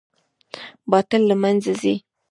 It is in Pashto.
باطل له منځه ځي